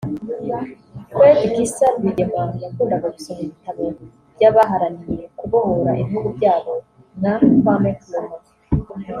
Fred Gisa Rwigema yakundaga gusoma ibitabo by’abaharaniye kubohora ibihugu byabo nka Kwame Nkrumah